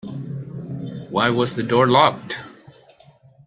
Why was the door locked?